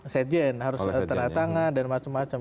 sekjen harus tanda tangan dan macam macam